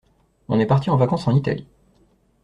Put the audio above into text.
On est parti en vacances en Italie.